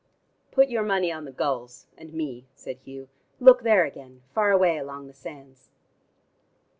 "Put your money on the gulls and me," said Hugh. "Look there again, far away along the sands."